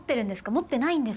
持ってないんですか？